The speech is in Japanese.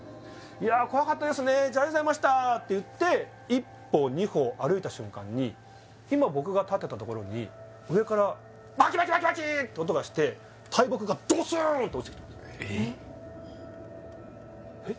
「いやあ怖かったですねありがとうございました」って言って一歩二歩歩いた瞬間に今僕が立ってた所に上からバキバキバキバキ！って音がして大木がドスーンって落ちてきたんすよえっ！？